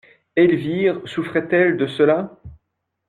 Elvire souffrait-elle de cela?